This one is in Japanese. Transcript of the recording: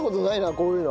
こういうの。